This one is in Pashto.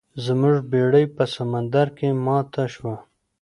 زموږ بیړۍ په سمندر کې ماته شوه.